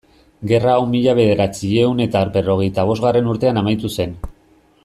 Gerra hau mila bederatziehun eta berrogeita bosgarren urtean amaitu zen.